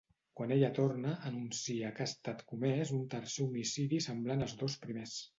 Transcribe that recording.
Quan ella torna, anuncia que ha estat comès un tercer homicidi semblant als dos primers.